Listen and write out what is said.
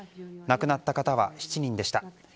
亡くなった方は７人でした。